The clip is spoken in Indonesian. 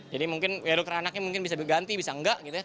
jadi mungkin dokter anaknya bisa diganti bisa enggak gitu ya